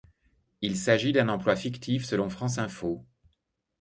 Il s'agit d'un emploi fictif selon France Info.